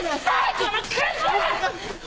このクズ！